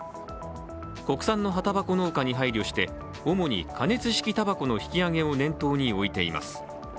国産の葉たばこ農家に配慮して主に加熱式たばこの引き上げを念頭に置いています。